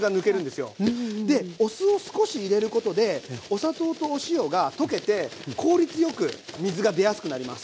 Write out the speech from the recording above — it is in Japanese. でお酢を少し入れることでお砂糖とお塩が溶けて効率よく水が出やすくなります。